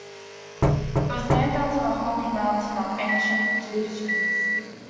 It was named after the holy mountain of the ancient Dacians.